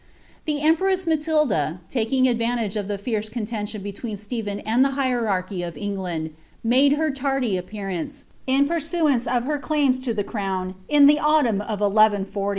The empress Matilda, taking advantage of the fierce contention be tween Stephen and the hierarchy of England, made her lardy appearaDU, in pursuance of her claims lo the crown, in the autumn of 1 14i>.